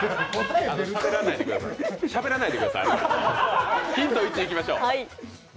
しゃべらないでください、あんまり。